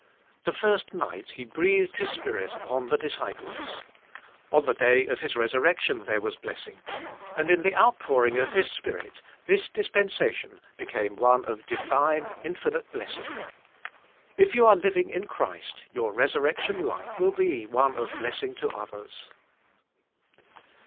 The first nig ht He breathed His Spirit upon the dis ciples. On the day of His resurrection there was blessing", and in the outpouring of His Spirit this dispensation became one of divine, infinite blessing . If you are living in Christ, your resurrection life will be one of blessing to others.